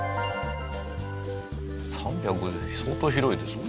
３５０相当広いですよ。